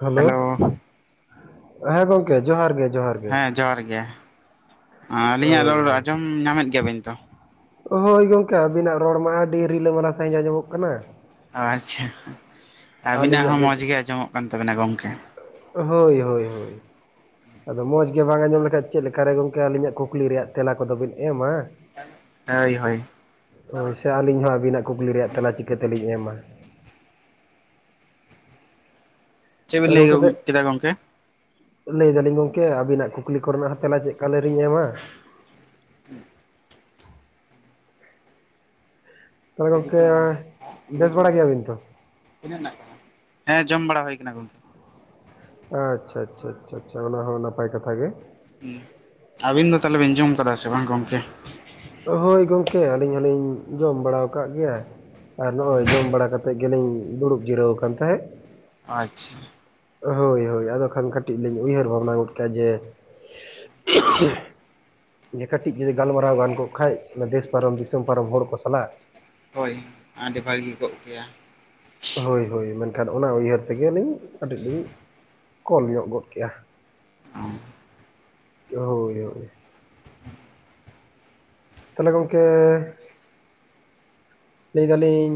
Hello ᱦᱮᱸ ᱜᱚᱝᱠᱮ ᱡᱚᱦᱟᱨ ᱜᱮ ᱡᱚᱦᱟᱨ ᱜᱮ ᱾ ᱦᱮᱸ ᱡᱚᱦᱟᱨ ᱜᱮ ᱟᱹᱞᱤᱧᱟᱜ ᱦᱳᱭ ᱨᱚᱲ ᱦᱳᱭ ᱟᱸᱡᱚᱢ ᱧᱟᱢᱮᱫ ᱜᱮᱭᱟᱵᱤᱱ ᱛᱚ? ᱦᱳᱭ ᱜᱚᱝᱠᱮ ᱟᱵᱤᱱᱟᱜ ᱨᱚᱲ ᱢᱟ ᱟᱹᱰᱤ ᱨᱤᱞᱟᱹᱢᱟᱞᱟ ᱥᱟ. ᱦᱤᱪ ᱟᱸᱡᱚᱢᱚᱜ ᱠᱟᱱᱟ ᱾ ᱟᱪ-ᱪᱷᱟ ᱟᱹᱵᱤᱱᱟᱜ ᱦᱚᱸ ᱢᱚᱡᱽ ᱜᱮ ᱟᱸᱡᱚᱢᱚᱜ ᱠᱟᱱ ᱛᱟᱵᱮᱱᱟ ᱜᱚᱢᱠᱮ᱾ ᱦᱳᱭ ᱦᱳᱭ ᱦᱳᱭ᱾ ᱟᱫᱚ ᱢᱚᱸᱡᱽ ᱜᱮ ᱵᱟᱝ ᱟᱸᱡᱚᱢ ᱞᱮᱠᱷᱟᱡ ᱪᱮᱫ ᱞᱮᱠᱟᱨᱮ ᱜᱚᱢᱠᱮ ᱟᱞᱤᱧᱟᱜ ᱠᱩᱠᱞᱤ ᱨᱮᱭᱟᱜ ᱛᱮᱞᱟ ᱠᱚᱫᱚ ᱵᱤᱱ ᱮᱢᱟ᱾ ᱦᱮᱭ ᱦᱳᱭ᱾ ᱦᱳᱭ ᱥᱮ ᱟᱞᱤᱧ ᱦᱚᱸ ᱟᱵᱤᱱᱟᱜ ᱠᱩᱠᱞᱤ ᱨᱮᱭᱟᱜ ᱛᱮᱞᱟ ᱪᱤᱠᱟᱹᱛᱮᱞᱤᱧ ᱮᱢᱟ᱾ ᱪᱮᱜ ᱵᱤᱱ ᱛᱟᱦᱚᱞᱮ ᱞᱟᱹᱭ ᱜᱚᱝᱠᱮ ᱜᱚ ᱵᱮ ᱠᱮᱫᱟ ᱜᱚᱢᱠᱮ᱾ ᱞᱟᱹᱭ ᱫᱟᱞᱤᱧ ᱜᱚᱝᱠᱮ ᱟᱵᱤᱱᱟᱜ ᱠᱩᱠᱞᱤ ᱠᱚᱨᱮᱱᱟᱜ ᱦᱚᱸ ᱛᱮᱞᱟ ᱪᱮᱜ ᱠᱟ ᱞᱮᱨᱤᱧ ᱮᱢᱟ? [inaudible] ᱛᱚ ᱜᱚᱝᱠᱮ ᱵᱮᱥ ᱵᱟᱲᱟ ᱜᱮᱭᱟᱵᱤᱱ ᱛᱚ᱾ ᱛᱤᱱᱟᱹᱜ ᱦᱮᱱᱟᱜ ᱛᱟᱢᱟ ᱦᱮᱸ ᱡᱚᱢ ᱵᱟᱲᱟ ᱦᱳᱭ ᱠᱟᱱᱟ ᱜᱚᱢᱠᱮ᱾ ᱟᱪ-ᱪᱷᱟ ᱪᱷᱟ ᱪᱷᱟ ᱪᱷᱟ ᱟᱪᱷᱟ ᱚᱱᱟ ᱦᱚᱸ ᱱᱟᱯᱟᱭ ᱠᱟᱛᱷᱟ ᱜᱮ᱾ ᱟᱵᱤᱱ ᱫᱚ ᱛᱟᱦᱞᱮ ᱵᱤᱱ ᱡᱚᱢ ᱠᱟᱫᱟ ᱥᱮ ᱵᱟᱝ ᱜᱚᱢᱠᱮ? ᱦᱳᱭ ᱜᱚᱝᱠᱮ ᱟᱹᱞᱤᱧ ᱦᱚᱞᱤᱧ ᱡᱚᱢ ᱵᱟᱲᱟᱣ ᱠᱟᱜ ᱜᱮᱭᱟ᱾ ᱟᱨ ᱱᱚᱜ ᱚᱭ ᱡᱚᱢ ᱵᱟᱲᱟ ᱠᱟᱛᱮᱜ ᱜᱮᱞᱤᱧ ᱫᱩᱲᱩᱵ ᱡᱤᱨᱟᱹᱣ ᱠᱟᱱ ᱛᱟᱸᱦᱮᱜ᱾ ᱟᱪᱪᱷᱟ᱾ ᱦᱳᱭ ᱦᱳᱭ ᱟᱫᱚ ᱠᱷᱟᱱ ᱠᱟᱴᱤᱡ ᱞᱤᱧ ᱩᱭᱦᱟᱹᱨ ᱵᱷᱟᱵᱽᱱᱟ ᱜᱚᱫ ᱠᱮᱜ-ᱟ ᱡᱮ᱾ ᱡᱮ ᱠᱟᱴᱤᱡ ᱡᱩᱫᱤ ᱜᱟᱞᱢᱟᱨᱟᱣ ᱜᱟᱱ ᱠᱚᱜ ᱠᱷᱟᱡ ᱚᱱᱟ ᱫᱮᱥ ᱯᱟᱨᱚᱢ ᱫᱤᱥᱚᱢ ᱯᱟᱨᱚᱢ ᱦᱚᱲ ᱠᱚ ᱥᱟᱞᱟᱜ᱾ ᱦᱳᱭ ᱟᱰᱤ ᱵᱷᱟᱜᱤ ᱠᱚᱜ ᱠᱮᱭᱟ᱾ ᱦᱳᱭ ᱦᱳᱭ ᱢᱮᱱᱠᱷᱟᱱ ᱚᱱᱟ ᱩᱭᱦᱟᱹᱨ ᱛᱮᱜᱮ ᱞᱤᱧ ᱠᱟᱴᱤᱡ ᱞᱤᱧ ᱠᱚᱞ ᱧᱚᱜ ᱜᱚᱫ ᱠᱮᱜ-ᱟ᱾ ᱚ᱾ ᱦᱳᱭ ᱧᱚᱜ ᱜᱮ᱾ ᱛᱟᱦᱞᱮ ᱜᱚᱢᱠᱮ᱾ ᱞᱟᱹᱭ ᱫᱟᱞᱤᱧ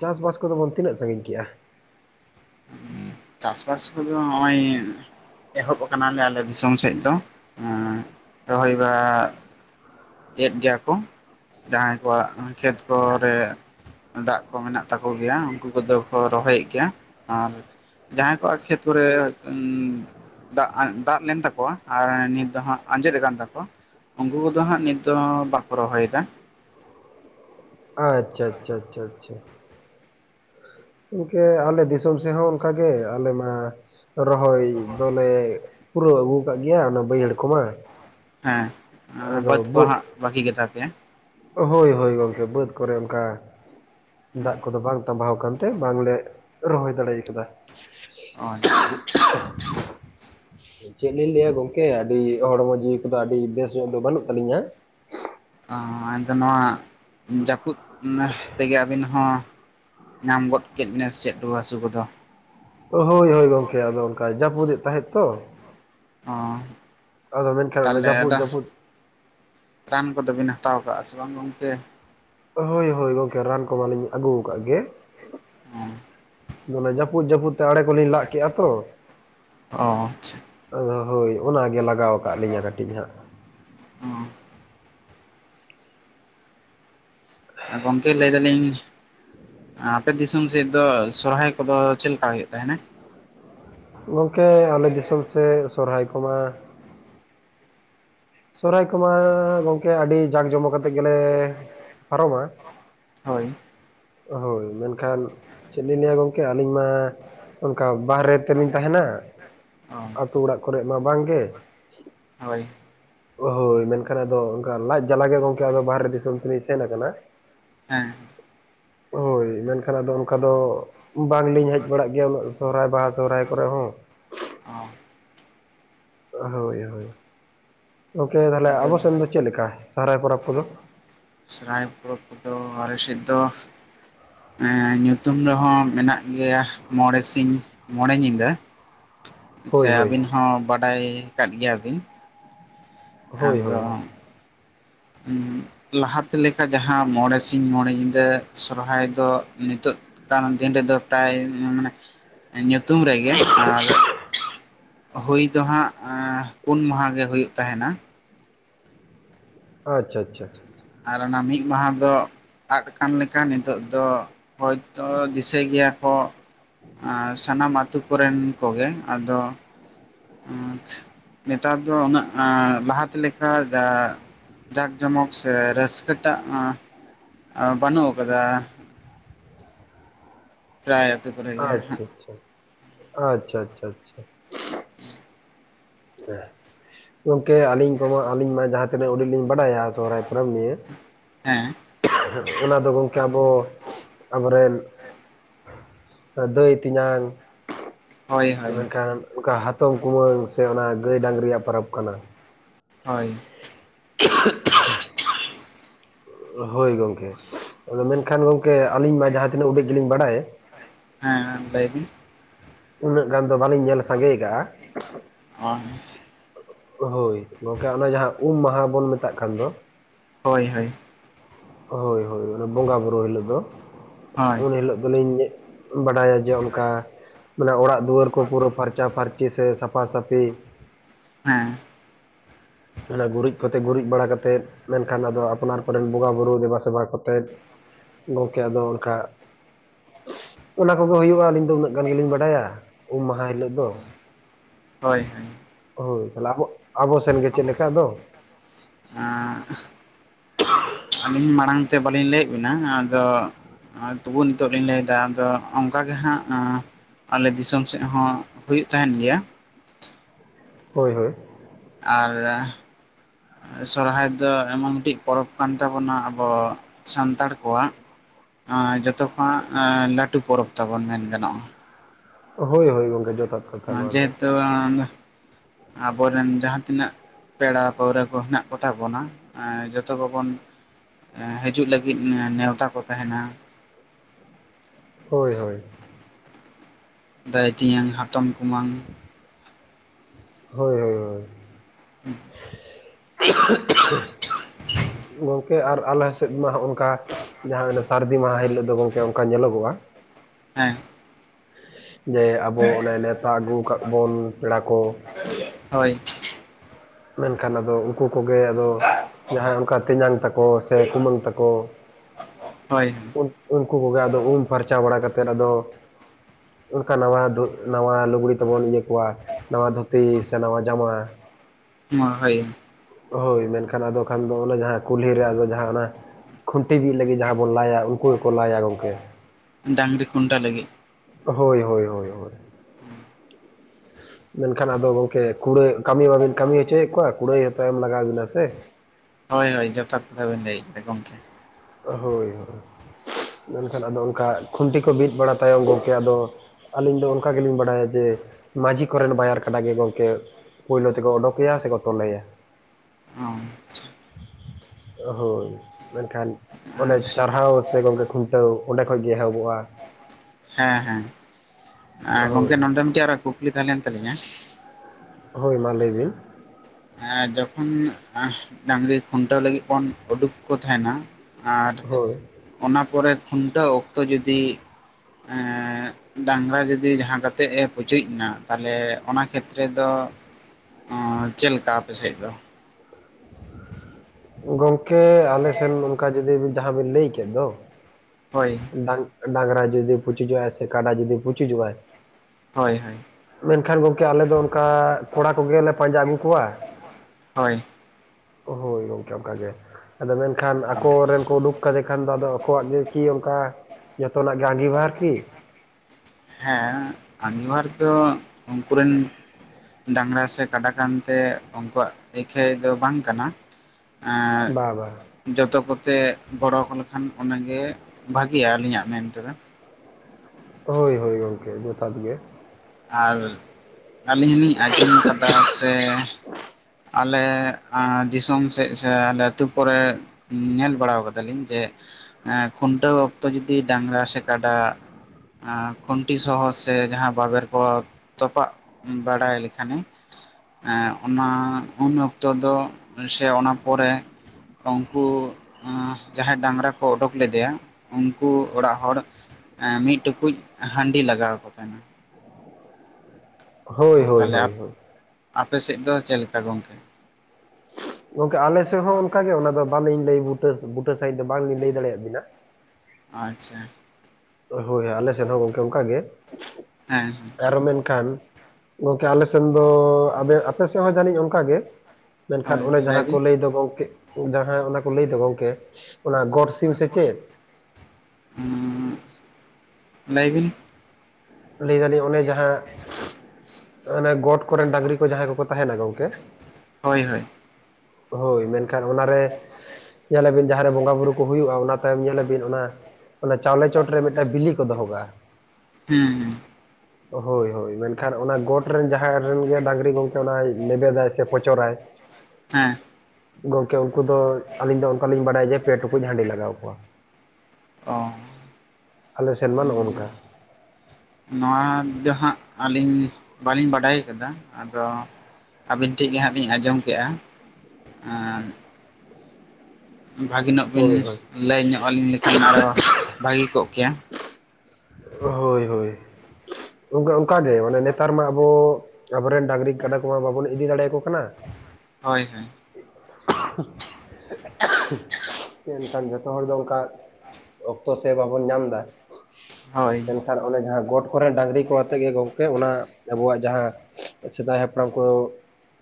ᱪᱟᱥ ᱵᱟᱥ ᱠᱚᱫᱚ ᱵᱚᱱ ᱛᱤᱱᱟᱹᱜ ᱥᱟᱸᱜᱤᱧ ᱠᱮᱜ-ᱟ? ᱪᱟᱥ ᱵᱟᱥ ᱠᱚᱫᱚ ᱱᱚᱜᱚᱭ᱾ ᱮᱦᱚᱵ ᱠᱟᱱᱟᱞᱮ ᱟᱞᱮ ᱫᱤᱥᱚᱢ ᱥᱮᱫ ᱫᱚ, ᱮᱸ ᱨᱚᱦᱚᱭ ᱵᱟᱲᱟ᱾ ᱮᱫ ᱜᱮᱭᱟ ᱠᱚ ᱡᱟᱸᱦᱟᱭ ᱠᱚᱣᱟᱜ ᱠᱷᱮᱛ ᱠᱚᱨᱮ᱾ ᱫᱟᱜ ᱠᱚ ᱢᱮᱱᱟᱜ ᱛᱟᱠᱚ ᱜᱮᱭᱟ ᱩᱱᱠᱩ ᱠᱚᱫᱚ ᱠᱚ ᱨᱚᱦᱚᱭᱮᱜ ᱜᱮᱭᱟ ᱟᱨ᱾ ᱡᱟᱸᱦᱟᱭ ᱠᱚᱣᱟᱜ ᱠᱷᱮᱛ ᱠᱚᱨᱮ ᱩᱸ᱾ ᱫᱟᱜ ᱟᱸ ᱫᱟᱜ ᱞᱮᱱ ᱛᱟᱠᱚᱣᱟ ᱟᱨ ᱱᱤᱛ ᱫᱚ ᱦᱟᱸᱜ ᱟᱸᱡᱮᱫ ᱠᱟᱱ ᱛᱟᱠᱚᱣᱟ ᱩᱱᱠᱩ ᱠᱚᱫᱚ ᱦᱟᱸᱜ ᱱᱤᱛ᱾ ᱫᱚ ᱵᱟᱠᱚ ᱨᱚᱦᱚᱭᱮᱫᱟ᱾ ᱟᱪ-ᱪᱷᱟ ᱪᱷᱟ ᱪᱷᱟ ᱪᱷᱟ᱾ ᱜᱚᱢᱠᱮ ᱟᱞᱮ ᱫᱤᱥᱚᱢ ᱥᱮᱜ ᱦᱚᱸ ᱚᱱᱠᱟᱜᱮ ᱟᱞᱮ ᱢᱟ᱾ ᱨᱚᱦᱚᱭ ᱫᱚᱞᱮ ᱯᱩᱨᱟᱹᱣ ᱟᱹᱜᱩ ᱠᱟᱜ ᱜᱮᱭᱟ ᱚᱱᱟ ᱵᱟᱹᱭᱦᱟᱹᱲ ᱠᱚᱢᱟ᱾ ᱦᱮᱸ ᱵᱟᱹᱫᱽ ᱠᱚ ᱦᱟᱸᱜ ᱵᱟᱠᱤ ᱜᱮᱛᱟ ᱯᱮᱭᱟ᱾ ᱦᱳᱭ ᱦᱳᱭ ᱜᱚᱢᱠᱮ ᱵᱟᱹᱫᱽ ᱠᱚᱨᱮ ᱚᱱᱠᱟ᱾ ᱫᱟᱜ ᱠᱚᱫᱚ ᱵᱟᱝ ᱛᱟᱸᱵᱟᱣ ᱠᱟᱱᱛᱮ ᱵᱟᱝᱞᱮ ᱨᱚᱦᱚᱭ ᱫᱟᱲᱮᱭ ᱠᱟᱫᱟ᱾ ᱚ ᱟᱪ [unintelligible] ᱪᱮᱜ ᱞᱤᱧ ᱞᱟᱹᱭᱟ ᱜᱚᱢᱠᱮ ᱟᱰᱤ ᱦᱚᱲᱢᱚ ᱡᱤᱣᱤ ᱠᱚᱫᱚ ᱟᱰᱤ ᱵᱮᱥ ᱧᱚᱜ ᱫᱚ ᱵᱟᱱᱩᱜ ᱛᱟᱞᱤᱧᱟ᱾ ᱟᱸ ᱟᱫᱚ ᱱᱚᱣᱟ ᱡᱟᱯᱩᱫ ᱛᱮᱜᱮ ᱟᱵᱤᱱ ᱦᱚᱸ᱾ ᱧᱟᱢ ᱜᱚᱫ ᱠᱮᱫ ᱵᱤᱱᱟᱹ ᱥᱮ ᱪᱮᱫ ᱨᱩᱣᱟᱹ ᱦᱟᱹᱥᱩ ᱠᱚᱫᱚ᱾ ᱦᱳᱭ ᱦᱳᱭ ᱜᱚᱢᱠᱮ ᱟᱫᱚ ᱚᱱᱠᱟ ᱡᱟᱯᱩᱫᱮᱫ ᱛᱟᱦᱮᱸᱫ ᱛᱚ᱾ ᱚᱸ ᱟᱫᱚ ᱢᱮᱱᱠᱷᱟᱱ ᱚᱱᱟ ᱛᱟᱦᱞᱮ ᱡᱟᱹᱯᱩᱫ ᱟᱫᱟ᱾ ᱡᱟᱹᱯᱩᱫ ᱨᱟᱱ ᱠᱚᱫᱚ ᱵᱤᱱ ᱦᱟᱛᱟᱣ ᱠᱟᱜ-ᱟ ᱥᱮ ᱵᱟᱝ ᱜᱚᱢᱠᱮ᱾ ᱦᱳᱭ ᱦᱳᱭ ᱜᱚᱝᱠᱮ ᱨᱟᱱ ᱠᱚᱢᱟᱞᱤᱧ ᱟᱜᱩ ᱠᱟᱜ ᱜᱮᱭᱟ᱾ ᱦᱮᱸ᱾ ᱵᱚᱞᱮ ᱡᱟᱹᱯᱩᱫ ᱡᱟᱹᱯᱩᱫ ᱛᱮ ᱟᱲᱮ ᱠᱚᱞᱤᱧ ᱞᱟᱜ ᱠᱮᱫᱼᱟ ᱛᱚ, ᱚ ᱟᱪᱪᱷᱟ᱾ ᱚ ᱦᱳᱭ ᱚᱱᱟᱜᱮ ᱞᱟᱜᱟᱣ ᱠᱟᱜ ᱞᱤᱧᱟᱹ ᱠᱟᱹᱴᱤᱡ ᱦᱟᱸᱜ᱾ ᱜᱚᱝᱠᱮ ᱞᱟᱹᱭ ᱫᱟᱞᱤᱧ ᱟᱯᱮ ᱫᱤᱥᱚᱢ ᱥᱮᱫ ᱫᱚ ᱥᱚᱨᱦᱟᱭ ᱠᱚᱫᱚ ᱪᱮᱫ ᱞᱮᱠᱟ ᱦᱩᱭᱩᱜ ᱛᱟᱦᱮᱸᱱᱟ? ᱜᱚᱢᱠᱮ ᱟᱞᱮ ᱫᱤᱥᱚᱢ ᱥᱮᱫ ᱥᱚᱦᱨᱟᱭ ᱠᱚᱢᱟ ᱥᱚᱦᱨᱟᱭ ᱠᱚᱢᱟ ᱜᱚᱝᱠᱮ ᱟᱹᱰᱤ ᱡᱟᱸᱠ ᱡᱚᱢᱚᱠ ᱠᱟᱛᱮᱫ ᱜᱮᱞᱮ ᱯᱟᱨᱚᱢᱟ, ᱦᱳᱭ᱾ ᱦᱳᱭ ᱢᱮᱱᱠᱷᱟᱱ ᱪᱮᱫ ᱞᱤᱧ ᱞᱟᱹᱭᱟ ᱜᱚᱢᱠᱮ ᱟᱹᱞᱤᱧ ᱢᱟ ᱚᱱᱠᱟ ᱵᱟᱦᱨᱮ ᱛᱮᱞᱤᱧ ᱛᱟᱦᱮᱸᱱᱟ ᱚ ᱟᱛᱳ ᱚᱲᱟᱜ ᱠᱚᱨᱮ ᱢᱟ ᱵᱟᱝᱜᱮ᱾ ᱦᱳᱭ᱾ ᱦᱳᱭ ᱢᱮᱱᱠᱷᱟᱱ ᱟᱫᱚ ᱚᱱᱠᱟ ᱞᱟᱡ ᱡᱟᱞᱟ ᱜᱮ ᱜᱚᱝᱠᱮ ᱟᱫᱚ ᱵᱟᱦᱨᱮ ᱫᱤᱥᱚᱢ ᱛᱮᱞᱤᱧ ᱥᱮᱱ ᱟᱠᱟᱱᱟ᱾ ᱦᱮᱸ ᱦᱳᱭ ᱢᱮᱱᱠᱷᱟᱱ ᱟᱫᱚ ᱚᱱᱠᱟ ᱫᱚ ᱵᱟᱝᱞᱤᱧ ᱦᱮᱡ ᱵᱟᱲᱟᱜ ᱜᱮᱭᱟ ᱩᱱᱟᱹᱜ ᱥᱚᱦᱨᱟᱭ ᱵᱟᱦᱟ ᱥᱚᱦᱨᱟᱭ ᱠᱚᱨᱮ ᱦᱚᱸ, ᱚ᱾ ᱦᱳᱭ ᱦᱳᱭ ᱜᱚᱝᱠᱮ ᱛᱟᱦᱚᱞᱮ ᱟᱫᱚ ᱟᱵᱚ ᱥᱮᱱ ᱫᱚ ᱪᱮᱫ ᱞᱮᱠᱟ ᱥᱚᱦᱨᱟᱭ ᱯᱚᱨᱚᱵᱽ ᱠᱚᱫᱚ? ᱥᱚᱦᱨᱟᱭ ᱯᱚᱨᱚᱵᱽ ᱠᱚᱫᱚ ᱟᱞᱮᱥᱮᱫ ᱫᱚ ᱮᱸ ᱧᱩᱛᱩᱢ ᱨᱮᱦᱚᱸ ᱢᱮᱱᱟᱜ ᱜᱮᱭᱟ ᱢᱚᱬᱮ ᱥᱤᱧ ᱢᱚᱬᱮ ᱧᱤᱫᱟᱹ ᱥᱮ ᱦᱳᱭ ᱦᱳᱭ ᱟᱹᱵᱤᱱ ᱦᱚᱸ ᱵᱟᱰᱟᱭ ᱠᱟᱫ ᱜᱮᱭᱟ ᱵᱤᱱ, ᱦᱳᱭ ᱦᱳᱭ ᱟᱫᱚ ᱦᱳᱭ ᱩᱸᱜ ᱞᱟᱦᱟᱛᱮ ᱞᱮᱠᱟ ᱡᱟᱦᱟᱸ ᱢᱚᱬᱮ ᱥᱤᱧ ᱢᱚᱬᱮ ᱧᱤᱫᱟᱹ ᱥᱚᱨᱦᱟᱭ ᱫᱚ ᱱᱤᱛᱚᱜ ᱛᱟᱭᱚᱸᱢ ᱫᱤᱱ ᱨᱮᱫᱚ ᱯᱨᱟᱭ ᱢᱟᱱᱮ ᱧᱩᱛᱩᱢ ᱨᱮᱜᱮ ᱟᱨ ᱦᱩᱭ ᱫᱚ ᱦᱟᱸᱜ ᱯᱩᱱ ᱢᱟᱦᱟ ᱜᱮ ᱦᱩᱭᱩᱜ ᱛᱟᱦᱮᱸᱱᱟ, ᱟᱪᱪᱷᱟ ᱟᱪᱪᱷᱟ᱾ ᱟᱨ ᱚᱱᱟ ᱢᱤᱫ ᱢᱟᱦᱟ ᱫᱚ ᱟᱫ ᱠᱟᱱ ᱞᱮᱠᱟ ᱱᱤᱛᱚᱜ ᱫᱚ ᱦᱚᱭᱛᱚ ᱫᱤᱥᱟᱹᱭ ᱜᱮᱭᱟ ᱠᱚ, ᱟᱸ ᱥᱟᱱᱟᱢ ᱟᱛᱩ ᱠᱚᱨᱮᱱ ᱠᱚᱜᱮ ᱟᱫᱚ [unintelligible] ᱱᱮᱛᱟᱨ ᱫᱚ ᱩᱱᱟᱹᱜ ᱞᱟᱦᱟᱛᱮ ᱞᱮᱠᱟ ᱡᱟ ᱡᱟᱠ ᱡᱚᱢᱚᱠ ᱥᱮ ᱨᱟᱹᱥᱠᱟᱹᱴᱟᱜ ᱟ ᱵᱟᱹᱱᱩᱜ ᱟᱠᱟᱫᱟ ᱯᱨᱟᱭ ᱟᱛᱳ ᱠᱚᱨᱮ ᱜᱮ ᱟᱪᱪᱷᱟ ᱦᱟᱸᱜ᱾ ᱟᱪᱪᱷᱟ ᱟᱪᱪᱷᱟ ᱟᱪᱪᱷᱟ ᱟᱪᱪᱷᱟ᱾ ᱦᱮᱸ ᱜᱚᱢᱠᱮ ᱟᱹᱞᱤᱧ ᱠᱚᱢᱟ ᱟᱹᱞᱤᱧ ᱢᱟ ᱡᱟᱦᱟᱸ ᱛᱤᱱᱟᱹᱜ ᱩᱰᱤᱜ ᱞᱤᱧ ᱵᱟᱰᱟᱭᱟ ᱥᱚᱦᱨᱟᱭ ᱯᱚᱨᱚᱵᱽ ᱱᱤᱭᱮ ᱦᱮᱸ᱾ ᱚᱱᱟ ᱫᱚ ᱜᱚᱢᱠᱮ ᱟᱵᱚ ᱟᱵᱚᱨᱮᱱ ᱫᱟᱹᱭ-ᱛᱮᱧᱟᱝ ᱦᱳᱭ ᱦᱳᱭ ᱢᱮᱱᱠᱷᱟᱱ ᱚᱱᱠᱟ ᱦᱟᱛᱚᱢ-ᱠᱩᱢᱟᱹᱝ ᱥᱮ ᱚᱱᱟ ᱜᱟᱹᱭ ᱰᱟᱝᱨᱤᱭᱟᱜ ᱯᱚᱨᱚᱵᱽ ᱠᱟᱱᱟ᱾ ᱦᱳᱭ᱾ [inaudible] ᱦᱳᱭ ᱜᱚᱢᱠᱮ ᱟᱫᱚ ᱢᱮᱱᱠᱷᱟᱱ ᱜᱚᱢᱠᱮ ᱟᱹᱞᱤᱧ ᱢᱟ ᱡᱟᱦᱟᱸ ᱛᱤᱱᱟᱹᱜ ᱩᱰᱤᱡ ᱜᱮᱞᱤᱧ ᱵᱟᱰᱟᱭ ᱦᱮᱸ ᱞᱟᱹᱭᱵᱤᱱ᱾ ᱩᱱᱟᱹᱜ ᱜᱟᱱ ᱫᱚ ᱵᱟᱹᱞᱤᱧ ᱧᱮᱞ ᱥᱟᱸᱜᱮ ᱠᱟᱜᱼᱟ, ᱚ᱾ ᱦᱳᱭ ᱜᱚᱝᱠᱮ ᱚᱱᱟ ᱡᱟᱦᱟᱸ ᱩᱢ ᱢᱟᱦᱟ ᱵᱚᱱ ᱢᱮᱛᱟᱜ ᱠᱟᱱ ᱫᱚ, ᱦᱳᱭ ᱦᱳᱭ᱾ ᱦᱳᱭ ᱦᱳᱭ ᱚᱱᱟ ᱵᱚᱸᱜᱟᱼᱵᱩᱨᱩ ᱦᱤᱞᱳᱜ ᱫᱚ ᱦᱳᱭ ᱩᱱ ᱦᱤᱞᱳᱜ ᱫᱚᱞᱤᱧ ᱵᱟᱰᱟᱭᱟ ᱡᱮ ᱚᱱᱠᱟ ᱢᱟᱱᱮ ᱚᱲᱟᱜ ᱫᱩᱣᱟᱹᱨ ᱠᱚ ᱯᱩᱨᱟᱹ ᱯᱷᱟᱨᱪᱟ ᱯᱷᱟᱹᱨᱪᱤ ᱥᱮ ᱥᱟᱯᱷᱟ ᱥᱟᱹᱯᱷᱤ ᱦᱮᱸ ᱾ ᱚᱱᱟ ᱜᱩᱨᱤᱡᱽ ᱠᱚᱛᱮ ᱜᱩᱨᱤᱡᱽ ᱵᱟᱲᱟ ᱠᱟᱛᱮᱫ ᱢᱮᱱᱠᱷᱟᱱ ᱟᱫᱚ ᱟᱯᱱᱟᱨ ᱠᱚᱨᱮᱱ ᱵᱚᱸᱜᱟ ᱵᱩᱨᱩ ᱫᱮᱵᱟᱼᱥᱮᱵᱟ ᱠᱟᱛᱮᱫ ᱜᱚᱢᱠᱮ ᱟᱫᱚ ᱚᱱᱠᱟ ᱚᱱᱟ ᱠᱚᱜᱮ ᱦᱩᱭᱩᱜᱼᱟ, ᱟᱹᱞᱤᱧ ᱫᱚ ᱩᱱᱟᱹᱜ ᱜᱟᱱ ᱜᱮᱞᱤᱧ ᱵᱟᱲᱟᱭᱟ ᱩᱢ ᱢᱟᱦᱟ ᱦᱤᱞᱚᱜ ᱫᱚ᱾ [inaudible] ᱦᱳᱭ, ᱦᱳᱭ᱾ ᱦᱳᱭ ᱛᱟᱦᱚᱞᱮ ᱟᱵᱚ ᱟᱵᱚ ᱥᱮᱱᱜᱮ ᱪᱮᱫ ᱞᱮᱠᱟ ᱫᱚ? ᱟᱹᱞᱤᱧ ᱢᱟᱲᱟᱝ ᱛᱮ ᱵᱟᱹᱞᱤᱧ ᱞᱟᱹᱭᱮᱫ ᱵᱤᱱᱟ ᱟᱫᱚ ᱛᱚᱵᱩ ᱱᱤᱛᱚᱜ ᱞᱤᱧ ᱞᱟᱹᱭ ᱮᱫᱟ ᱟᱫᱚ ᱚᱱᱠᱟᱜᱮ ᱦᱟᱸᱜ ᱟᱞᱮ ᱫᱤᱥᱚᱢ ᱥᱮᱫ ᱦᱚᱸ ᱦᱩᱭᱩᱜ ᱛᱟᱦᱮᱱ ᱜᱮᱭᱟ᱾ ᱦᱳᱭ, ᱦᱳᱭ ᱾ ᱟᱨ ᱥᱚᱨᱦᱟᱭ ᱫᱚ ᱮᱢᱚᱱ ᱢᱤᱫᱴᱮᱱ ᱯᱚᱨᱚᱵᱽ ᱠᱟᱱ ᱛᱟᱵᱚᱱᱟ ᱟᱵᱚ ᱥᱟᱱᱛᱟᱲ ᱠᱚᱣᱟᱜ ᱡᱚᱛᱚ ᱠᱷᱱᱟᱜ ᱞᱟᱹᱴᱩ ᱯᱚᱨᱚᱵᱽ ᱛᱟᱵᱚᱱ ᱢᱮᱱ ᱜᱟᱱᱚᱜᱼᱟ᱾ ᱦᱳᱭ, ᱦᱳᱭ ᱾ ᱡᱮᱦᱮᱛᱩ ᱟᱵᱚᱨᱮᱱ ᱡᱟᱦᱟᱸ ᱛᱤᱱᱟᱹᱜ ᱯᱮᱲᱟ ᱯᱟᱹᱣᱲᱟᱹ ᱠᱚ ᱦᱮᱱᱟᱜ ᱠᱚᱛᱟ ᱵᱚᱱᱟ ᱡᱚᱛᱚ ᱜᱮᱵᱚᱱ ᱦᱤᱡᱩᱜ ᱞᱟᱹᱜᱤᱫ ᱱᱮᱣᱛᱟ ᱠᱚ ᱛᱟᱦᱮᱱᱟ ᱾ ᱦᱳᱭ, ᱦᱳᱭ ᱾ ᱫᱟᱹᱭ ᱛᱮᱧᱟᱝ ᱦᱟᱛᱚᱢ ᱠᱩᱢᱟᱹᱝ ᱦᱳᱭ, ᱦᱳᱭ, ᱦᱳᱭ ᱾ ᱜᱚᱝᱠᱮ ᱟᱨ ᱟᱞᱮ ᱥᱮᱫ ᱢᱟ ᱦᱚᱜᱼᱚᱭ ᱚᱱᱠᱟ ᱡᱟᱦᱟᱸ ᱥᱟᱹᱨᱫᱤ ᱢᱟᱦᱟ ᱦᱤᱞᱳᱜ ᱫᱚ ᱜᱚᱢᱠᱮ ᱚᱱᱠᱟ ᱧᱮᱞᱚᱜᱚᱜᱼᱟ ᱦᱮᱸ ᱾ ᱡᱮ ᱟᱵᱚ ᱚᱱᱮ ᱱᱮᱣᱛᱟ ᱟᱹᱜᱩ ᱟᱠᱟᱫ ᱵᱚᱱ ᱯᱮᱲᱟ ᱠᱚ ᱾ ᱦᱳᱭ ᱾ ᱢᱮᱱᱠᱷᱟᱱ ᱟᱫᱚ ᱩᱱᱠᱩ ᱠᱚᱜᱮ ᱟᱫᱚ ᱡᱟᱦᱟᱸᱭ ᱚᱱᱠᱟ ᱛᱮᱧᱟᱝ ᱛᱟᱠᱚ ᱥᱮ ᱠᱩᱢᱟᱹᱝ ᱛᱟᱠᱚ ᱦᱳᱭ ᱩᱱᱠᱩ ᱠᱚᱜᱮ ᱟᱫᱚ ᱩᱢ ᱯᱷᱟᱨᱪᱟ ᱵᱟᱲᱟ ᱠᱟᱛᱮᱫ ᱟᱫᱚ ᱚᱱᱠᱟ ᱱᱟᱣᱟ, ᱱᱟᱣᱟ ᱞᱩᱜᱽᱲᱤ ᱛᱮᱵᱚᱱ ᱤᱭᱟᱹ ᱠᱚᱣᱟ ᱾ ᱱᱟᱣᱟ ᱫᱷᱩᱛᱤ ᱥᱮ ᱱᱟᱣᱟ ᱡᱟᱢᱟ ᱦᱳᱭ ᱾ ᱦᱳᱭ ᱢᱮᱱᱠᱷᱟᱱ ᱟᱫᱚ ᱠᱷᱟᱱ ᱫᱚ ᱚᱱᱮ ᱡᱟᱦᱟᱸ ᱠᱩᱞᱦᱤ ᱨᱮ ᱟᱫᱚ ᱡᱟᱦᱟᱸ ᱚᱱᱟ ᱠᱷᱩᱱᱴᱤ ᱵᱤᱫ ᱞᱟᱹᱜᱤᱫ ᱡᱟᱦᱟᱸ ᱵᱚᱱ ᱞᱟᱭᱟ ᱩᱱᱠᱩ ᱜᱮᱠᱚ ᱞᱟᱭᱟ ᱜᱚᱢᱠᱮ᱾ ᱰᱟᱝᱨᱤ ᱠᱷᱩᱱᱴᱟᱹᱣ ᱞᱟᱹᱜᱤᱫ ᱾ ᱦᱳᱭ, ᱦᱳᱭ, ᱦᱳᱭ ᱾ [inaudible] ᱢᱮᱱᱠᱷᱟᱱ ᱟᱫᱚ ᱜᱚᱝᱢᱠᱮ ᱠᱩᱲᱟᱹᱭ ᱠᱟᱹᱢᱤ ᱢᱟᱹᱵᱤᱱ ᱠᱟᱹᱢᱤ ᱦᱚᱪᱚᱭᱮᱫ ᱠᱚᱣᱟ, ᱠᱩᱲᱟᱹᱭ ᱦᱚᱸ ᱛᱚ ᱮᱢ ᱞᱟᱜᱟᱣ ᱵᱤᱱᱟ ᱥᱮ ᱾ ᱦᱳᱭ, ᱦᱳᱭ ᱡᱚᱛᱷᱟᱛ ᱵᱮᱱ ᱞᱟᱹᱭ ᱠᱮᱫᱟ ᱜᱚᱝᱠᱮ ᱾ ᱦᱳᱭ, ᱦᱳᱭ ᱢᱮᱱᱠᱷᱟᱱ ᱟᱫᱚ ᱚᱱᱠᱟ ᱠᱷᱩᱱᱴᱤ ᱠᱚ ᱵᱤᱫ ᱵᱟᱲᱟ ᱛᱟᱭᱚᱢ ᱜᱚᱝᱠᱮ ᱟᱫᱚ ᱟᱹᱞᱤᱧ ᱫᱚ ᱚᱱᱠᱟ ᱜᱮᱞᱤᱧ ᱵᱟᱲᱟᱭᱟ ᱡᱮ, ᱢᱟᱹᱡᱷᱤ ᱠᱚᱨᱮᱱ ᱵᱟᱭᱟᱨ ᱠᱟᱰᱟ ᱜᱮ ᱜᱚᱝᱠᱮ ᱯᱳᱭᱞᱳ ᱛᱮᱠᱚ ᱚᱰᱚᱠᱮᱭᱟ ᱥᱮ ᱠᱚ ᱛᱚᱞᱮᱭᱟ ᱾ ᱚ ᱟᱪᱪᱷᱟ ᱦᱳᱭ ᱢᱮᱱᱠᱷᱟᱱ ᱚᱸᱰᱮ ᱟᱨ ᱪᱟᱨᱦᱟᱣ ᱥᱮ ᱜᱚᱝᱠᱮ ᱠᱷᱩᱱᱴᱟᱹᱣ ᱚᱸᱰᱮ ᱠᱷᱚᱡ ᱜᱮ ᱮᱦᱚᱵᱚᱜᱼᱟ ᱾ ᱦᱮᱸ, ᱦᱮᱸ ᱜᱚᱝᱠᱮ ᱦᱳᱭ ᱱᱚᱸᱰᱮ ᱢᱤᱫᱴᱮᱡ ᱠᱩᱠᱞᱤ ᱛᱟᱦᱮᱸ ᱠᱮᱱ ᱛᱟᱞᱤᱧᱟ ᱦᱳᱭ ᱢᱟ ᱞᱟᱹᱭ ᱵᱤᱱ᱾ ᱡᱚᱠᱷᱚᱱ ᱰᱟᱝᱨᱤ ᱠᱷᱩᱱᱴᱟᱹᱣ ᱞᱟᱹᱜᱤᱫ ᱵᱚᱱ ᱩᱰᱩᱠ ᱠᱚ ᱛᱟᱦᱮᱱᱟ᱾ ᱟᱨ ᱦᱳᱭ ᱚᱱᱟ ᱯᱚᱨᱮ ᱠᱷᱩᱱᱴᱟᱹᱣ ᱚᱠᱛᱚ ᱡᱩᱫᱤ ᱮᱸᱻ᱾ ᱰᱟᱝᱨᱟ ᱡᱩᱫᱤ ᱡᱟᱦᱟᱸ ᱠᱟᱛᱮᱜ ᱮ ᱯᱩᱪᱩᱡ ᱮᱱᱟ ᱛᱟᱦᱞᱮ ᱚᱱᱟ ᱠᱷᱮᱛᱨᱮ ᱫᱚ᱾ ᱚ ᱪᱮᱫᱞᱮᱠᱟ ᱟᱯᱮ ᱥᱮᱫ ᱫᱚ᱾ ᱜᱚᱝᱠᱮ ᱟᱞᱮᱥᱮᱱ ᱚᱱᱠᱟ ᱡᱩᱫᱤ ᱡᱟᱦᱟᱸ ᱵᱤᱱ ᱞᱟᱹᱭ ᱠᱮᱫ ᱫᱚ᱾ ᱦᱳᱭ ᱰᱟᱝ ᱰᱟᱝᱨᱟ ᱡᱩᱫᱤ ᱯᱩᱪᱩᱡ ᱡᱚ ᱟᱭ ᱥᱮ ᱠᱟᱰᱟ ᱡᱫᱤ ᱯᱩᱪᱩᱡ ᱡᱚ ᱟᱭ᱾ ᱦᱳᱭ ᱦᱳᱭ ᱢᱮᱱᱠᱷᱟᱱ ᱜᱚᱢᱠᱮ ᱟᱞᱮ ᱫᱚ ᱚᱱᱠᱟ ᱠᱚᱲᱟ ᱠᱚᱜᱮᱞᱮ ᱯᱟᱸᱡᱟ ᱟᱹᱜᱩ ᱠᱚᱣᱟ᱾ ᱦᱳᱭ ᱦᱳᱭ ᱜᱚᱝᱠᱮ ᱚᱱᱠᱟ ᱜᱮ ᱟᱫᱚ ᱢᱮᱱᱠᱷᱟᱱ ᱟᱠᱳ ᱨᱮᱱ ᱠᱚ ᱩᱰᱩᱠ᱾ ᱠᱟᱫᱮ ᱠᱷᱟᱱ ᱫᱚ ᱟᱫᱚ ᱟᱠᱚᱣᱟᱜ ᱜᱮ ᱠᱤ ᱚᱱᱠᱟ ᱡᱚᱛᱚᱱᱟᱜ ᱜᱮ ᱟᱺᱜᱤᱵᱷᱟᱨ ᱠᱤ? ᱦᱮᱸ ᱟᱺᱜᱤᱵᱷᱟᱨ ᱫᱚ ᱩᱱᱠᱩ ᱨᱮᱱ᱾ ᱰᱟᱝᱨᱟ ᱥᱮ ᱠᱟᱰᱟ ᱠᱟᱱᱛᱮ ᱩᱱᱠᱩᱣᱟᱜ ᱟᱹᱠᱷᱟᱹᱭ ᱫᱚ ᱵᱟᱝ ᱠᱟᱱᱟ᱾ ᱟᱸ ᱵᱟ ᱵᱟ ᱡᱚᱛᱚ ᱠᱚᱛᱮ ᱜᱚᱲᱚ ᱠᱚ ᱞᱮᱠᱷᱟᱱ ᱩᱱᱟᱹᱜ ᱵᱷᱟᱜᱤᱜᱼᱟ ᱟᱹᱞᱤᱧᱟᱜ ᱢᱮᱱ ᱛᱮᱫᱚ᱾ ᱦᱳᱭ ᱦᱳᱭ ᱜᱚᱢᱠᱮ ᱡᱚᱛᱷᱟᱛ ᱜᱮ᱾ ᱟᱨ ᱟᱹᱞᱤᱧ ᱦᱚᱞᱤᱧ ᱟᱸᱡᱚᱢ ᱠᱟᱫᱟ ᱥᱮ᱾ ᱟᱞᱮ ᱫᱤᱥᱚᱢ ᱥᱮᱫ ᱥᱮ ᱟᱞᱮ ᱟᱹᱛᱩ ᱠᱚᱨᱮ ᱧᱮᱞ ᱵᱟᱲᱟ ᱟᱠᱟᱫᱟᱞᱤᱧ ᱡᱮ᱾ ᱮᱸ ᱠᱷᱩᱱᱴᱟᱹᱣ ᱚᱠᱛᱚ ᱡᱚᱫᱤ ᱰᱟᱝᱨᱟ ᱥᱮ ᱠᱟᱰᱟ᱾ ᱠᱷᱩᱱᱴᱤ ᱥᱚᱦ ᱥᱮ ᱡᱟᱦᱟᱸ ᱵᱟᱵᱮᱨ ᱠᱚ ᱛᱚᱯᱟᱜ ᱵᱟᱲᱟᱭ ᱞᱮᱠᱷᱟᱱᱮ ᱮ ᱚᱱᱟ᱾ ᱩᱱ ᱚᱠᱛᱚ ᱫᱚ ᱥᱮ ᱚᱱᱟ ᱯᱚᱨᱮ᱾ ᱩᱱᱠᱩ ᱡᱟᱦᱟᱸᱭ ᱰᱟᱝᱨᱟ ᱠᱚ ᱩᱰᱩᱠ ᱞᱮᱫᱮᱭᱟ ᱩᱱᱠᱩ ᱚᱲᱟᱜ ᱦᱚᱲ᱾ ᱢᱤᱫ ᱴᱩᱠᱩᱡ ᱦᱟᱺᱰᱤ ᱞᱟᱜᱟᱣ ᱠᱚ ᱛᱟᱦᱮᱱᱟ᱾ ᱦᱳᱭ ᱦᱳᱭ ᱛᱟᱦᱚᱞᱮ ᱦᱳᱭ ᱟᱯ ᱦᱳᱭ ᱟᱯᱮ ᱥᱮᱫ ᱫᱚ ᱪᱮᱫ ᱞᱮᱠᱟ ᱜᱚᱝᱠᱮ? ᱜᱚᱝᱠᱮ ᱟᱞᱮ ᱥᱮᱫ ᱦᱚᱸ ᱚᱱᱠᱟᱜᱮ ᱚᱱᱟ ᱫᱚ ᱵᱟᱞᱤᱧ ᱞᱟᱹᱭ ᱵᱩᱴᱟᱹ ᱵᱩᱴᱟᱹ ᱥᱟᱺᱦᱤᱡ ᱫᱚ ᱵᱟᱝᱞᱤᱧ ᱞᱟᱹᱭ ᱫᱟᱲᱮᱭᱟ ᱵᱤᱱᱟ᱾ ᱟᱪᱪᱷᱟ ᱦᱳᱭ ᱟᱞᱮ ᱥᱮᱫ ᱦᱚᱸ ᱜᱚᱢᱠᱮ ᱚᱱᱠᱟᱜᱮ ᱦᱮᱸ ᱦᱮᱸ ᱟᱨᱚ ᱢᱮᱱᱠᱷᱟᱱ᱾ ᱜᱚᱝᱠᱮ ᱟᱞᱮ ᱥᱮᱱ ᱫᱚ ᱟᱯᱮ ᱥᱮᱫ ᱦᱚᱸ ᱡᱟᱹᱱᱤᱡ ᱚᱱᱠᱟ ᱜᱮ᱾ ᱢᱮᱱᱠᱷᱟᱱ ᱦᱳᱭ ᱚᱱᱮ ᱡᱟᱦᱟᱸ ᱠᱚ ᱵᱤᱱ ᱞᱟᱹᱭ ᱫᱚ ᱜᱚᱝᱠᱮ᱾ ᱡᱟᱦᱟᱸ ᱚᱱᱟ ᱠᱚ ᱞᱟᱹᱭᱫᱟ ᱜᱚᱝᱠᱮ ᱚᱱᱟ ᱜᱚᱴ ᱥᱤᱢ ᱥᱮ ᱪᱮᱜ? [unintelligible] ᱞᱟ. ᱭ ᱵᱤᱱ ᱞᱟᱹᱭ ᱫᱟᱞᱤᱧ ᱚᱱᱮ ᱡᱟᱦᱟᱸ᱾ ᱚᱱᱮ ᱜᱚᱴ ᱠᱚᱨᱮᱱ ᱰᱟᱝᱨᱤ ᱠᱚ ᱡᱟᱦᱟᱸᱭ ᱠᱚᱠᱚ ᱛᱟᱦᱮᱱᱟ ᱜᱚᱢᱠᱮ᱾ ᱦᱳᱭ ᱦᱳᱭ ᱦᱳᱭ ᱢᱮᱱᱠᱷᱟᱱ ᱚᱱᱟᱨᱮ᱾ ᱧᱮᱞ ᱞᱟᱵᱤᱱ ᱡᱟᱦᱟᱸᱨᱮ ᱵᱚᱸᱜᱟᱼᱵᱩᱨᱩ ᱠᱚ ᱦᱩᱭᱩᱜᱼᱟ ᱚᱱᱟ ᱛᱟᱭᱚᱢ ᱧᱮᱞ ᱟᱹᱵᱤᱱ ᱚᱱᱟ᱾ ᱚᱱᱟ ᱪᱟᱣᱞᱮ ᱪᱚᱴ ᱨᱮ ᱢᱤᱫᱴᱟᱝ ᱵᱤᱞᱤ ᱠᱚ ᱫᱚᱦᱚ ᱠᱟᱜᱼᱟ ᱾ ᱦᱮᱸ ᱦᱮᱸ ᱦᱳᱭ ᱦᱳᱭ ᱢᱮᱱᱠᱷᱟᱱ ᱚᱱᱟ ᱜᱚᱴ ᱨᱮᱱ ᱡᱟᱦᱟᱸᱭ ᱨᱮᱱ ᱜᱮ ᱰᱟᱹᱝᱨᱤ ᱜᱚᱢᱠᱮ ᱚᱱᱟᱭ ᱞᱮᱵᱮᱫᱟᱭ ᱥᱮ ᱯᱚᱪᱚᱨᱟᱭ᱾ [unintelligible] ᱦᱮᱸ ᱜᱚᱝᱠᱮ ᱩᱱᱠᱩ ᱫᱚ ᱟᱹᱞᱤᱧ ᱫᱚ ᱚᱱᱠᱟ ᱞᱤᱧ ᱵᱟᱲᱟᱭᱟ ᱡᱮ ᱯᱮ ᱴᱩᱠᱩᱡ ᱦᱟᱺᱰᱤ ᱞᱟᱜᱟᱣᱟ ᱠᱚᱣᱟ᱾ ᱚ ᱟᱞᱮ ᱥᱮᱱ ᱢᱟ ᱱᱚᱜᱼᱚ ᱱᱚᱝᱠᱟ ᱾ ᱱᱚᱣᱟ ᱫᱚᱦᱟᱸᱜ ᱟᱹᱞᱤᱧ ᱵᱟᱹᱞᱤᱧ ᱵᱟᱰᱟᱭ ᱟᱠᱟᱫᱟ ᱟᱫᱚ ᱟᱹᱵᱮᱱ ᱴᱷᱤ ᱜᱮ ᱦᱟᱸᱜ ᱞᱤᱧ ᱟᱸᱡᱚᱢ ᱠᱮᱜᱼᱟ, ᱟᱻ ᱵᱷᱟᱹᱜᱤ ᱧᱚᱜ ᱵᱤᱱ ᱦᱳᱭ ᱦᱳᱭ ᱞᱟᱹᱭ ᱧᱚᱜ ᱟᱹᱞᱤᱧ ᱞᱮᱠᱷᱟᱱ ᱟᱨᱚ ᱵᱷᱟᱹᱜᱤ ᱠᱚᱜ ᱠᱮᱭᱟ ᱾ ᱦᱳᱭ ᱦᱳᱭ ᱚᱱᱠᱟᱜᱮ ᱢᱟᱱᱮ ᱱᱮᱛᱟᱨ ᱢᱟ ᱟᱵᱚ ᱟᱵᱚᱨᱮᱱ ᱰᱟᱹᱝᱨᱤ ᱜᱟᱰᱟ ᱠᱚᱢᱟ ᱵᱟᱵᱚᱱ ᱤᱫᱤ ᱫᱟᱲᱮᱭᱟᱠᱚ ᱠᱟᱱᱟ ᱾ ᱦᱳᱭ ᱦᱳᱭ᱾ ᱮᱱᱠᱷᱟᱱ ᱡᱚᱛᱚ ᱦᱚᱲ ᱫᱚ ᱚᱱᱠᱟ ᱚᱠᱛᱚ ᱥᱮ ᱵᱟᱵᱚᱱ ᱧᱟᱢ ᱫᱟ᱾ ᱦᱳᱭ᱾ ᱟᱨ ᱚᱱᱮ ᱡᱟᱦᱟᱸ ᱜᱚᱴ ᱠᱚᱨᱮ ᱰᱟᱹᱝᱨᱤ ᱠᱚ ᱟᱛᱮ ᱜᱮ ᱜᱚᱢᱠᱮ ᱚᱱᱟ ᱟᱵᱚᱣᱟᱜ ᱡᱟᱦᱟᱸ ᱥᱮᱫᱟᱭ ᱦᱟᱯᱲᱟᱢ ᱠᱚ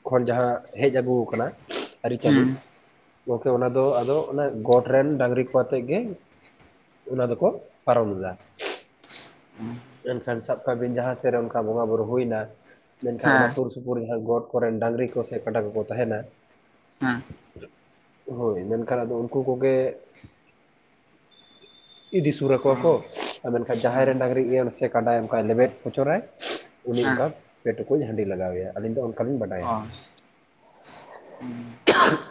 ᱠᱷᱚᱱ ᱡᱟᱦᱟᱸ ᱦᱮᱡ ᱟᱹᱜᱩ ᱟᱠᱟᱱᱟ ᱟᱹᱨᱤᱪᱟᱹᱞᱤ ᱦᱮᱸ ᱜᱚᱢᱠᱮ ᱚᱱᱟ ᱫᱚ ᱟᱫᱚ ᱚᱱᱟ ᱜᱚᱴ ᱨᱮᱱ ᱰᱟᱝᱨᱤ ᱠᱚ ᱟᱛᱮᱜ ᱜᱮ ᱚᱱᱟ ᱫᱟᱠᱚ ᱯᱚᱨᱚᱢ ᱮᱫᱟ ᱾ ᱢᱮᱱᱠᱷᱟᱱ ᱥᱟᱵ ᱠᱟᱜ ᱵᱤᱱ ᱡᱟᱦᱟᱸ ᱥᱮᱫ ᱨᱮ ᱚᱱᱠᱟ ᱵᱚᱸᱜᱟ ᱵᱩᱛᱩ ᱦᱩᱭᱱᱟ ᱢᱮᱱᱠᱷᱟᱱ ᱚᱱᱟ ᱦᱮᱸ ᱥᱩᱨ ᱥᱩᱯᱩᱨ ᱨᱮᱱ ᱜᱚᱴ ᱠᱚᱨᱮᱱ ᱰᱟᱹᱝᱨᱤ ᱠᱚ ᱥᱮ ᱠᱟᱰᱟ ᱠᱚᱠᱚ ᱛᱟᱦᱮᱸᱱᱟ᱾ ᱦᱮᱸ᱾ ᱦᱳᱭ ᱢᱮᱱᱠᱷᱟᱱ ᱟᱫᱚ ᱩᱱᱠᱩ ᱠᱚᱜᱮ ᱤᱫᱤ ᱥᱩᱨᱟᱠᱚᱣᱟ ᱠᱚ᱾ ᱟᱨ ᱢᱮᱱᱠᱷᱟᱱ ᱡᱟᱦᱟᱸᱭ ᱦᱮᱸ ᱨᱮᱱ ᱰᱟᱹᱝᱨᱤ ᱥᱮ ᱠᱟᱰᱟᱭ ᱚᱱᱠᱟᱭ ᱞᱮᱵᱮᱫ ᱯᱚᱪᱚᱨᱟᱭ ᱩᱱᱤ ᱦᱮᱸ ᱚᱱᱠᱟ ᱯᱮ ᱴᱩᱠᱩᱡᱧ ᱦᱟᱺᱰᱤ ᱞᱟᱜᱟᱣᱟᱭᱟ ᱟᱹᱞᱤᱧ ᱫᱚ ᱚᱱᱠᱟᱞᱤᱧ ᱵᱟᱰᱟᱭᱟ ᱚ ᱾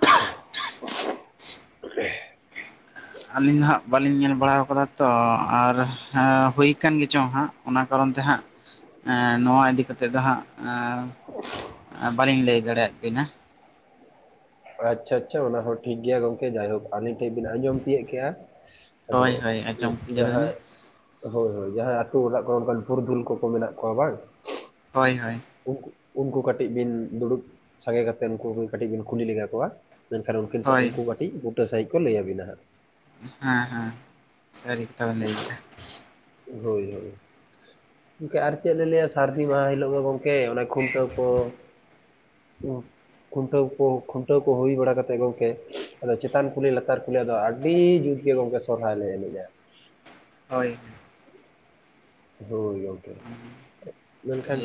[unintelligible] ᱟᱹᱞᱤᱧ ᱫᱚ ᱦᱟᱸᱜ ᱵᱟᱹᱞᱤᱧ ᱧᱮᱞ ᱵᱟᱲᱟᱣ ᱟᱠᱟᱫᱟ ᱛᱚ ᱟᱨ ᱦᱩᱭ ᱠᱟᱱ ᱜᱮᱪᱚᱝ ᱦᱟᱸᱜ ᱚᱱᱟ ᱠᱟᱨᱚᱱ ᱛᱮ ᱦᱟᱸᱜ ᱱᱚᱣᱟ ᱤᱫᱤ ᱠᱟᱛᱮᱜ ᱫᱚ ᱦᱟᱸᱜ ᱵᱟᱹᱞᱤᱧ ᱞᱟᱹᱭ ᱫᱟᱲᱮᱭᱟᱜ ᱵᱮᱱᱟ᱾ ᱟᱪᱪᱷᱟ ᱟᱪᱪᱷᱟ ᱚᱱᱟ ᱦᱚᱸ ᱴᱷᱤᱠ ᱜᱮᱭᱟ ᱜᱚᱝᱠᱮ ᱡᱟᱭᱦᱳᱠ ᱟᱹᱞᱤᱧ ᱴᱷᱮᱱ ᱵᱤᱱ ᱟᱸᱡᱚᱢ ᱛᱤᱭᱳᱜ ᱠᱮᱜᱼᱟ᱾ ᱟᱫᱚ ᱦᱳᱭ ᱦᱳᱭ ᱟᱸᱡᱚᱢ ᱠᱮᱫᱟᱞᱤᱧ ᱡᱟᱦᱟᱸᱭ ᱦᱳᱭ ᱦᱳᱭ ᱡᱟᱦᱟᱸᱭ ᱟᱛᱳ ᱚᱲᱟᱜ ᱠᱚᱨᱮ ᱚᱱᱟᱱ ᱯᱩᱨᱩᱫᱷᱩᱞ ᱠᱚᱠᱚ ᱢᱮᱱᱟᱜ ᱠᱚᱣᱟ ᱵᱟᱝ᱾ ᱦᱳᱭ ᱦᱳᱭ᱾ ᱩ ᱩᱱᱠᱩ ᱠᱟᱹᱴᱤᱡ ᱵᱤᱱ ᱫᱩᱲᱩᱵ ᱥᱟᱸᱜᱮ ᱠᱟᱛᱮᱫ ᱩᱱᱠᱩ ᱠᱟᱹᱴᱤᱡ ᱵᱤᱱ ᱠᱩᱞᱤ ᱞᱮᱜᱟ ᱠᱚᱣᱟ᱾ ᱢᱮᱱᱠᱷᱟᱱ ᱩᱱᱠᱤᱱ ᱥᱟᱶ ᱦᱳᱭ ᱩᱱᱠᱩ ᱠᱟᱹᱴᱤᱡ ᱵᱩᱴᱟᱹ ᱥᱟᱹᱦᱤᱡ ᱠᱚ ᱞᱟᱹᱭ ᱟᱹᱵᱤᱱᱟ ᱦᱟᱸᱜ᱾ ᱦᱮᱸ ᱦᱮᱸ ᱥᱟᱹᱨᱤ ᱠᱟᱛᱷᱟ ᱵᱮᱱ ᱞᱟᱹᱭ ᱠᱮᱫᱟ ᱾ ᱦᱳᱭ ᱦᱳᱭ ᱜᱠᱮ ᱟᱨ ᱪᱮᱫ ᱞᱤᱧ ᱞᱟᱹᱭᱟ ᱥᱟᱹᱨᱫᱤ ᱢᱟᱦᱟᱸ ᱦᱤᱞᱳᱜ ᱫᱚ ᱜᱚᱢᱠᱮ ᱚᱱᱮ ᱠᱷᱩᱱᱴᱟᱹᱣ ᱠᱚ᱾ ᱠᱷᱩᱱᱴᱟᱹᱣ ᱠᱚ ᱠᱷᱩᱱᱴᱟᱹᱣ ᱠᱚ ᱦᱩᱭ ᱵᱟᱲᱟ ᱠᱟᱛᱮᱜ ᱜᱚᱢᱠᱮ ᱟᱫᱚ ᱪᱮᱛᱟᱱ ᱠᱩᱞᱦᱤ ᱞᱟᱛᱟᱨ ᱠᱩᱞᱦᱤ ᱟᱫᱚ ᱟᱹᱰᱤ ᱡᱩᱛ ᱜᱮ ᱜᱚᱢᱠᱮ ᱥᱚᱦᱨᱟᱭ ᱞᱮ ᱮᱱᱮᱡᱼᱟ ᱾ ᱦᱳᱭ᱾ ᱦᱳᱭ ᱜᱚᱝᱠᱮ ᱢᱮᱱᱠᱷᱟᱱ